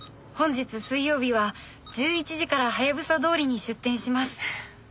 「本日水曜日は１１時から隼通りに出店します」